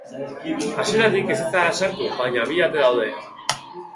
Hesietatik ezin zara sartu, baina bi ate daude.